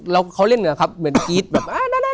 แล้วเขาเล่นเหนือครับเหมือนกรี๊ดแบบ